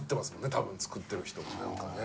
多分作ってる人もなんかね。